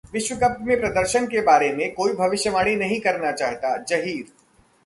विश्व कप में प्रदर्शन के बारे में कोई भविष्यवाणी नहीं करना चाहता: जहीर